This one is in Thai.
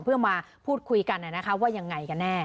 เพื่อมาพูดคุยกันว่ายังไงกันแน่